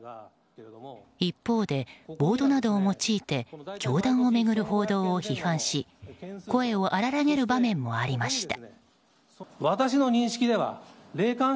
一方でボードなどを用いて教団を巡る報道を批判し声を荒らげる場面もありました。